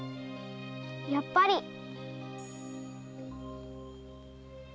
やっぱり。